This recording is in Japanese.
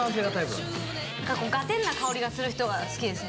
ガテンな香りがする人が好きですね。